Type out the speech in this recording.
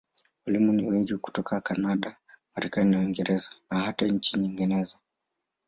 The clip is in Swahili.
Walimu ni wengi hutoka Kanada, Marekani na Uingereza, na hata nchi nyinginezo.